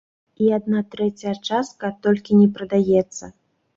І адна трэцяя частка толькі не прадаецца.